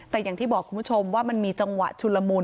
แต่อย่างที่บอกคุณผู้ชมว่ามันมีจังหวะชุนละมุน